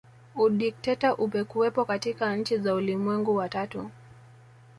Udikteta umekuwepo katika nchi za ulimwengu wa tatu